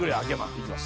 いきます。